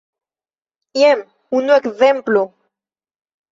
Jen unu ekzemplo.